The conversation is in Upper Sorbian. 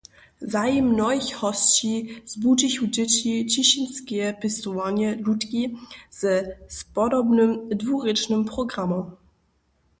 Zajim mnohich hosći zbudźichu dźěći Ćišćanskeje pěstowarnje „Lutki“ ze spodobnym dwurěčnym programom.